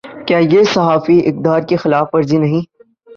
کیا یہ صحافی اقدار کی خلاف ورزی نہیں۔